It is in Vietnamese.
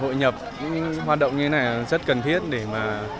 trong thời đại hội nhập những hoạt động như thế này rất cần thiết để mà